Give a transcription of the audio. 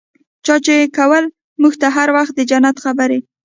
چا چې کولې موږ ته هر وخت د جنت خبرې.